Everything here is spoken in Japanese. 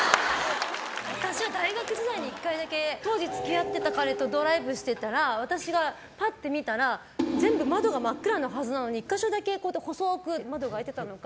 私は大学時代に１回だけ当時、付き合っていた彼とドライブしていたら私がパッて見たら全部、窓が真っ暗なはずなのに１か所だけ細く窓が開いていたのか